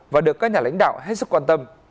và được các nhà lãnh đạo hết sức quan tâm